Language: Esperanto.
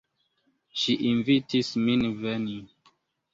Ŝi invitis min veni.